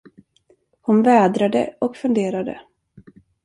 Hon vädrade och funderade.